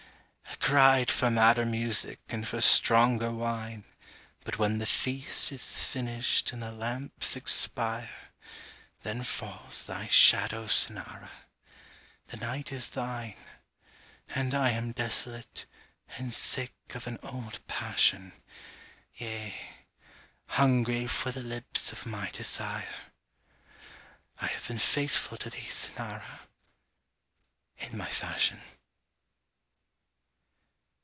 I cried for madder music and for stronger wine, But when the feast is finished and the lamps expire, Then falls thy shadow, Cynara! the night is thine; And I am desolate and sick of an old passion, Yea, hungry for the lips of my desire: I have been faithful to thee, Cynara! in my fashion.